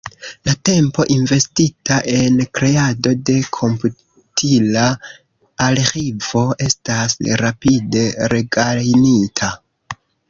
La tempo investita en kreado de komputila arĥivo estas rapide regajnita.